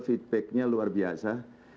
feedbacknya luar biasa